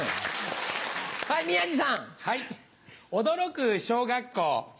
驚く小学校。